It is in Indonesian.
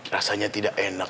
rasanya tidak enak